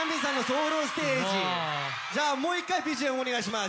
じゃあもう一回ＢＧＭお願いします。